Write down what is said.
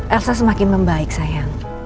elsa semakin membaik sayang